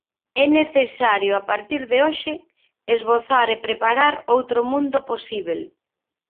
É necesario a partir de hoxe esbozar e preparar outro mundo posíbel.